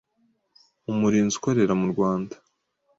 Umurinzi akorera mu Rwanda,